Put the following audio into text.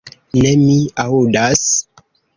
Ne, mi aŭdas.